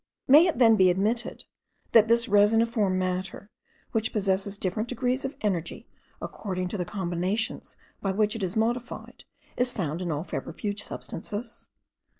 May it then be admitted, that this resiniform matter, which possesses different degrees of energy according to the combinations by which it is modified, is found in all febrifuge substances?